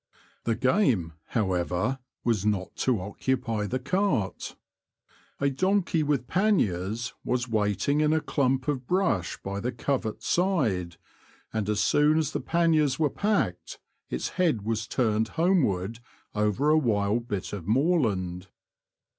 The game, however, was not to occupy the cart. A donkey with panniers ^^=r ^^ was waiting in a clump'of brush by the covert side, and as soon as the panniers were packed, its head was turned homeward over a wild bit of moorland.